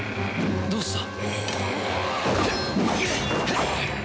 どうした？